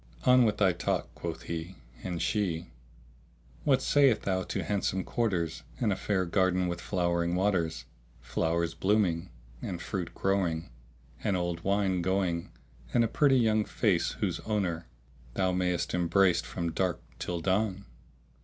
"On with thy talk," quoth he; and she, "What sayest thou to handsome quarters and a fair garden with flowing waters, flowers blooming, and fruit growing, and old wine going and a pretty young face whose owner thou mayest embrace from dark till dawn?